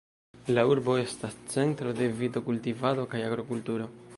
La urbo estas centro de vito-kultivado kaj agrokulturo.